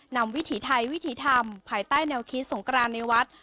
วิถีไทยวิถีธรรมภายใต้แนวคิดสงกรานในวัด